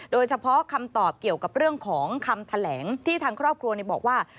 โดยเฉพาะคำตอบเกี่ยวกับเรื่องของคำแถลงที่ทางครอบครัวบอกว่า